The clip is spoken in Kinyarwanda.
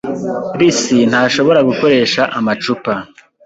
Lucy ntashobora gukoresha amacupa.